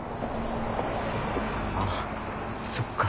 あっそっか。